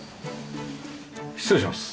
失礼します。